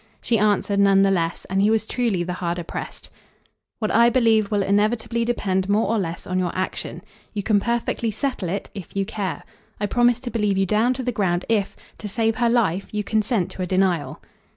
She answered none the less, and he was truly the harder pressed. "What I believe will inevitably depend more or less on your action. You can perfectly settle it if you care. I promise to believe you down to the ground if, to save her life, you consent to a denial."